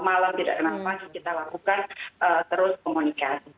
kalau tidak tenang pasti kita lakukan terus komunikasi